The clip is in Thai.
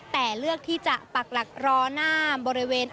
แต่เลือกที่จะปักหลักรอหน้าบริเวณ